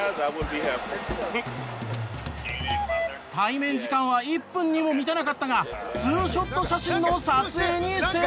対面時間は１分にも満たなかったがツーショット写真の撮影に成功！